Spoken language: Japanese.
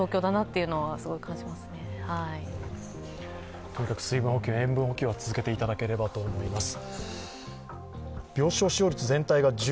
とにかく水分補給、塩分補給は続けていただければと思います。